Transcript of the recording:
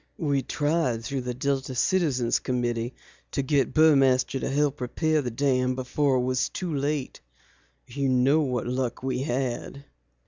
We tried through the Delta Citizens' Committee to get Burmaster to help repair the dam before it was too late. You know what luck we had."